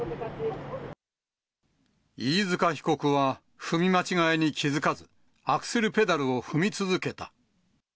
飯塚被告は、踏み間違いに気付かず、アクセルペダルを踏み続けた。